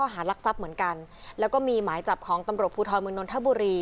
หารักทรัพย์เหมือนกันแล้วก็มีหมายจับของตำรวจภูทรเมืองนนทบุรี